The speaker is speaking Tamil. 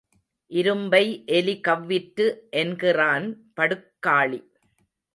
இரும்பை எலி கவ்விற்று என்கிறான், படுக்காளி.